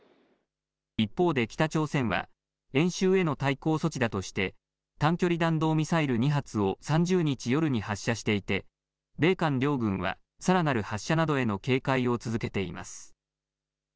一方で北朝鮮は、演習への対抗措置だとして、短距離弾道ミサイル２発を３０日夜に発射していて、米韓両軍は、さらなる発射などへの警戒を続けています。